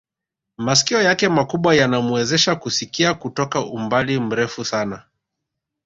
Masikio yake makubwa yanamuwezesha kusikia kutoka umbali mrefu sana